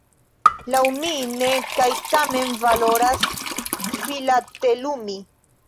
Laŭ mi ne, kaj tamen valoras filatelumi.